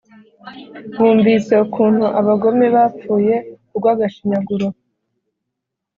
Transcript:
bumvise ukuntu abagome bapfuye urw’agashinyaguro,